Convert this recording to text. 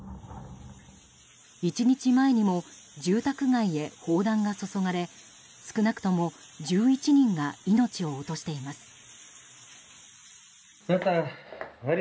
１日前にも住宅街へ砲弾が注がれ少なくとも１１人が命を落としています。